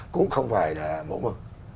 cũng không phải là mổ mực